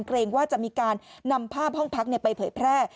เกรงว่าจะมีการนำภาพห้องพักไปเผยแพร่